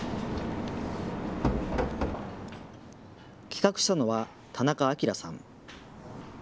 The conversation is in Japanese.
企画したのは田中暁さん。